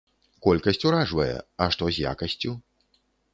Колькасць уражвае, а што з якасцю?